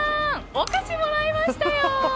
お菓子もらえましたよ。